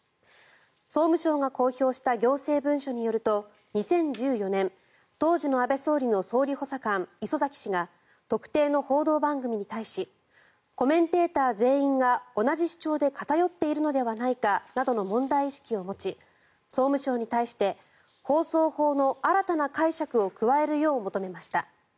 総務省が公表した行政文書によると、２０１４年当時の安倍総理の総理補佐官礒崎氏が特定の報道番組に対しコメンテーター全員が同じ主張で偏っているのではないかなどの問題意識を持ち総務省に対して放送法の新たな解釈を加えるよう求めました。